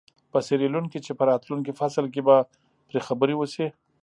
په سیریلیون کې چې په راتلونکي فصل کې به پرې خبرې وشي.